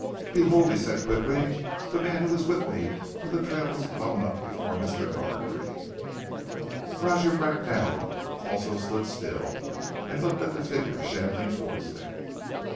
"Behold!" he said quickly. "The man who was with me when the trail was blown up before Mr. Gargrave." Roger Bracknell also stood still, and looked at the figure shambling towards them.